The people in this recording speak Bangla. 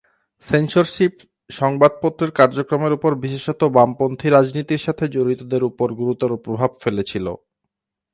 সেন্সরশিপ সংবাদপত্রের কার্যক্রমের উপর বিশেষত বামপন্থী রাজনীতির সাথে জড়িতদের উপর গুরুতর প্রভাব ফেলেছিল।